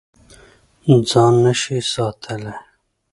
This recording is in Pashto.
ځان نه شې ساتلی.